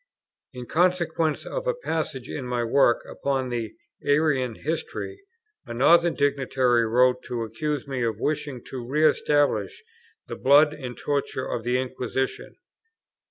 In consequence of a passage in my work upon the Arian History, a Northern dignitary wrote to accuse me of wishing to re establish the blood and torture of the Inquisition.